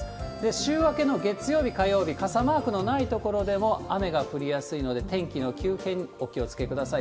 週明けの月曜日、火曜日、傘マークのない所でも雨が降りやすいので、天気の急変お気をつけください。